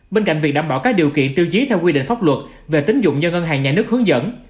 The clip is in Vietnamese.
bên cạnh việc đảm bảo các điều kiện tiêu chí theo quy định pháp luật về tính dụng do ngân hàng nhà nước hướng dẫn